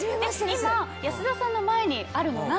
今保田さんの前にあるのが。